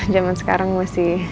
zaman sekarang masih